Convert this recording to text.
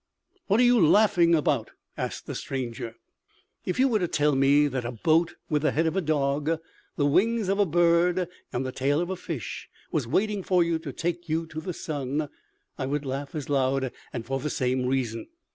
"What are you laughing about?" asked the stranger. "If you were to tell me that a boat with the head of a dog, the wings of a bird and the tail of a fish was waiting for you to take you to the sun, I would laugh as loud, and for the same reason.